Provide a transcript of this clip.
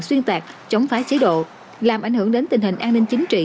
xuyên tạc chống phá chế độ làm ảnh hưởng đến tình hình an ninh chính trị